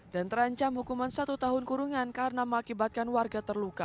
dan terancam hukuman satu tahun kurungan karena mengakibatkan warga terluka